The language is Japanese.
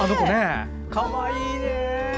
かわいいね。